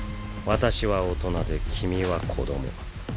私は大人で君は子ども。